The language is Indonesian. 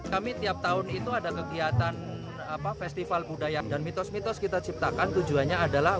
kami tiap tahun itu ada kegiatan festival budaya dan mitos mitos kita ciptakan tujuannya adalah